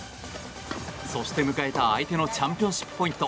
そして迎えた、相手のチャンピオンシップポイント。